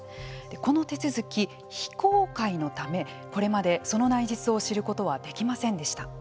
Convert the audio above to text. この手続き、非公開のためこれまでその内実を知ることはできませんでした。